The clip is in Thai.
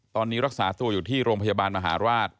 ตอนนี้รักษาตัวอยู่ที่โรงพยาบาลมหาราช